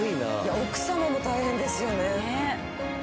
奥様も大変ですよね。